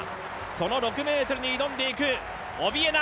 その６ｍに挑んでいく、オビエナ。